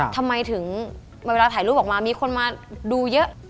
ทำไมถึงเวลาถ่ายรูปออกมามีคนมาดูเยอะ